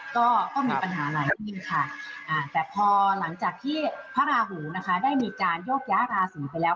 แต่พอหลังจากที่พระหูใครได้มีการยกย้ากลาศูนย์ไปแล้ว